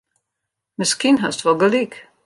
Miskien hast wol gelyk.